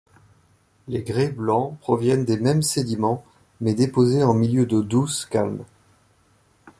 Les grès blancs proviennent des mêmes sédiments mais déposés en milieu d'eau douce calme.